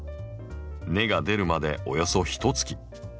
根が出るまでおよそひとつき。